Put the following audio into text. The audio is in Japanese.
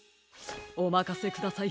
おまかせください。